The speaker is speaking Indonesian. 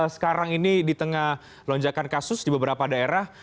sekarang ini di tengah lonjakan kasus di beberapa daerah